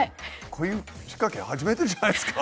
こういう仕掛け初めてじゃないですか？